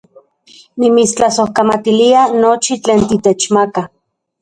Nimitstlasojkamatilia nochi tlen titechmaka